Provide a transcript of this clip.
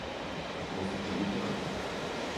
То су први кораци.